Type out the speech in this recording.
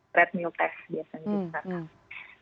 treadmill test biasanya juga